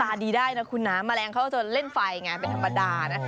ดีได้นะคุณนะแมลงเขาจะเล่นไฟไงเป็นธรรมดานะ